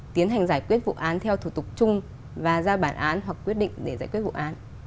tiến hành giải quyết vụ án theo thủ tục chung và ra bản án hoặc quyết định để giải quyết vụ án